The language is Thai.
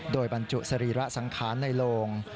โดยบรรจุสรีระสังขารในโลง